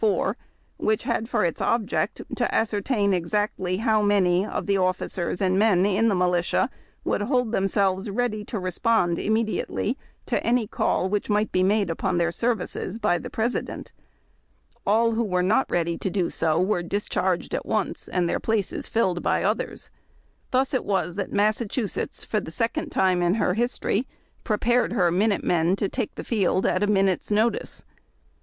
4) which had for its object to ascertain exactly how many of the officers and men in the militia would hold themselves ready to respond immediately to any call wliich might be made upon their services by the President. All who were not ready to do so were discharged at once, and their places tilled by others. Thus it was that Massachusetts for the second time in her history prepared her " Minute Men " to take the field at a minute's notice.